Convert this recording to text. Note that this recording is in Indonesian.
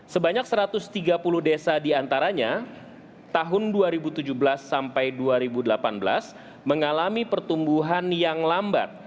sebanyak satu ratus tiga puluh desa diantaranya tahun dua ribu tujuh belas sampai dua ribu delapan belas mengalami pertumbuhan yang lambat